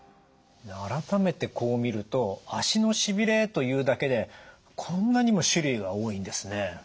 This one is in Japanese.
改めてこう見ると足のしびれというだけでこんなにも種類が多いんですね。